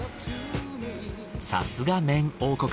さすが麺王国。